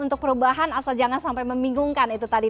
untuk perubahan asal jangan sampai membingungkan itu tadi